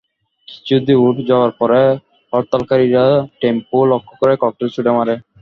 কিছু দূর যাওয়ার পরে হরতালকারীরা টেম্পো লক্ষ্য করে ককটেল ছুড়ে মারে।